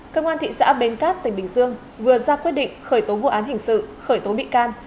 công an thị xã bến cát tỉnh bình dương vừa ra quyết định khởi tố vụ án hình sự khởi tố bị can